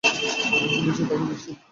নিশ্চিত থাকো নিশ্চিত।